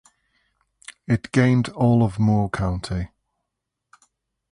It gained all of Moore County.